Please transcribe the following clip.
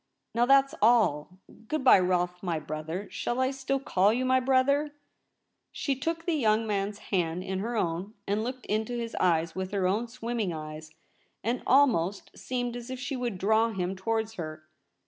Now that's all. Good bye, Rolfe, my brother — shall I still call you my brother ?' She took the young man's hand in her own and looked into his eyes with her own swimming eyes, and almost seemed as if she would draw him towards her.